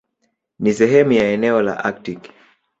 Ni sehemu ya eneo la Aktiki.